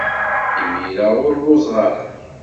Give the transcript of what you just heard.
Imir-a ur lluẓeɣ ara.